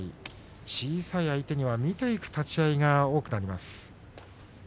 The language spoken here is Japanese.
小さい相手には見ていく立ち合いが多くなります。